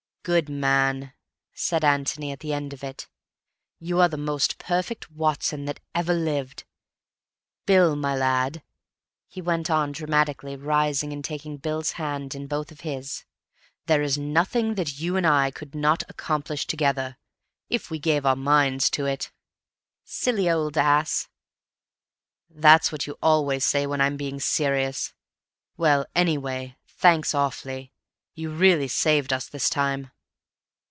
"Good man," said Antony at the end of it. "You are the most perfect Watson that ever lived. Bill, my lad," he went on dramatically, rising and taking Bill's hand in both of his, "There is nothing that you and I could not accomplish together, if we gave our minds to it." "Silly old ass." "That's what you always say when I'm being serious. Well, anyway, thanks awfully. You really saved us this time."